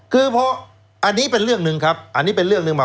คือพออันนี้เป็นเรื่องหนึ่งครับอันนี้เป็นเรื่องหนึ่งมา